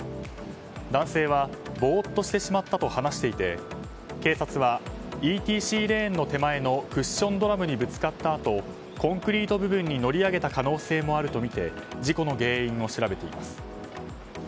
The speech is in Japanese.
男性は、ぼーっとしてしまったと話していて警察は、ＥＴＣレーンの手前のクッションドラムにぶつかったあとコンクリート部分に乗り上げた可能性もあるとみて事故の原因を調べています。